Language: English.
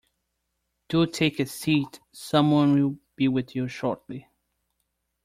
Do take a seat. Someone will be with you shortly.